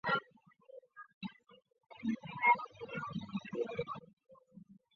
自云辽东人。